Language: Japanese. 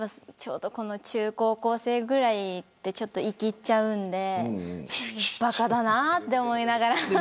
中高校生ぐらいはちょっといきってしまうのでばかだなと思いながら。